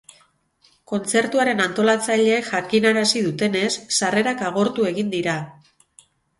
Kontzertuaren antolatzaileek jakinarazi dutenez, sarrerak agortu egin dira.